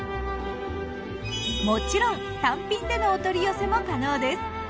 もちろん単品でのお取り寄せも可能です。